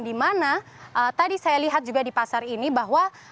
di mana tadi saya lihat juga di pasar ini bahwa